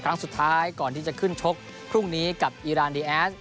ครั้งสุดท้ายก่อนที่จะขึ้นชกพรุ่งนี้กับอีรานดีแอส